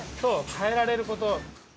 かえられること。